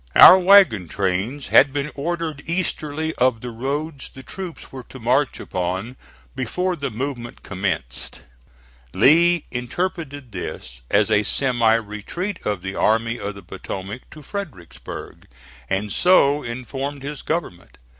Our wagon trains had been ordered easterly of the roads the troops were to march upon before the movement commenced. Lee interpreted this as a semi retreat of the Army of the Potomac to Fredericksburg, and so informed his government.